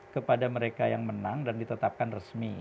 kepada mereka yang menang dan ditetapkan resmi